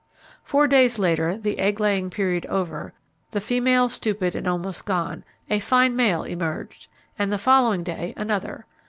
Four days later, the egg laying period over, the female, stupid and almost gone, a fine male emerged, and the following day another.